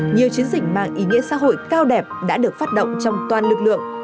nhiều chiến dịch mang ý nghĩa xã hội cao đẹp đã được phát động trong toàn lực lượng